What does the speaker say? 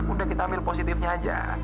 udah kita ambil positifnya aja